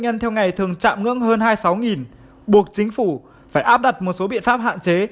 nhân theo ngày thường chạm ngưỡng hơn hai mươi sáu buộc chính phủ phải áp đặt một số biện pháp hạn chế